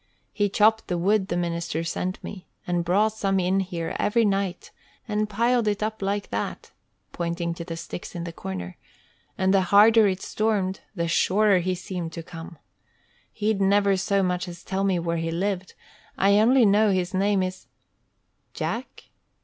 He chopped the wood the minister sent me, and brought some in here every night, and piled it up like that" (pointing to the sticks in the corner): "and the harder it stormed, the surer he seemed to come. He'd never so much as tell me where he lived, and I only know his name is " "Jack?"